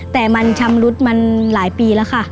แต่มันชำรุดมันหลายปีแล้วค่ะ